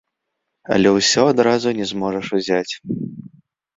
Але ўсё адразу не зможаш узяць.